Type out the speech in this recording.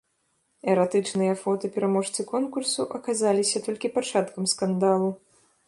Эратычныя фота пераможцы конкурсу аказаліся толькі пачаткам скандалу.